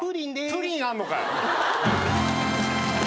プリンあんのか。